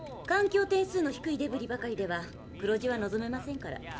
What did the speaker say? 環境点数の低いデブリばかりでは黒字は望めませんから。